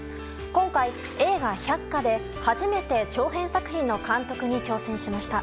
今回、映画「百花」で初めて長編作品の監督に挑戦しました。